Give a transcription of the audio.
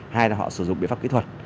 hai là họ sử dụng biện pháp kỹ thuật